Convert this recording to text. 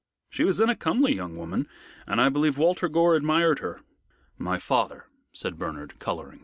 She was then a comely young woman, and I believe Walter Gore admired her." "My father," said Bernard, coloring.